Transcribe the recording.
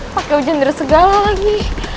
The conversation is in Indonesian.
pakai ujian dari segala lagi